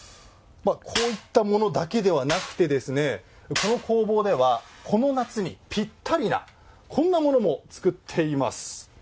こういったものだけではなくてですねこの工房ではこの夏にぴったりなこんなものも作っています。